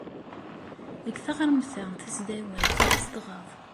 Deg taɣremt-a tasdawant i tzedɣeḍ?